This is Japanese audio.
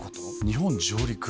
日本上陸？